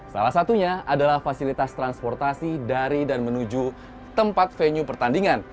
salah satunya adalah fasilitas transportasi dari dan menuju tempat venue pertandingan